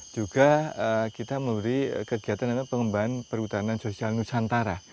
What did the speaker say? juga kita memberi kegiatan namanya pengembangan perhutanan sosial nusantara